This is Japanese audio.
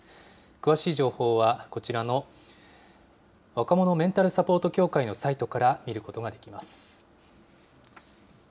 詳しい情報はこちらの、若者メンタルサポート協会のサイトから見ることができます。